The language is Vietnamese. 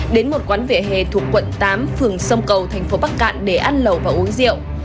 đến một quán vỉa hè thuộc quận tám phường sông cầu thành phố bắc cạn để ăn lầu và uống rượu